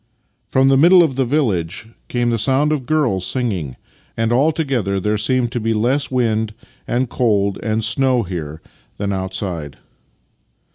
From the middle of the village came the Master and Man 17 sound of girls singing, and altogether there seemed to be less wind and cold and snow here than out side.